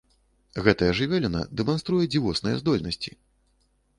Гэтая жывёліна дэманструе дзівосныя здольнасці.